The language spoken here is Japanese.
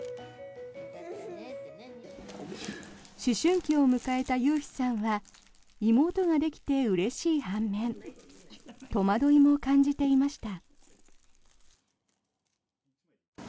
思春期を迎えた悠陽さんは妹ができてうれしい半面戸惑いも感じていました。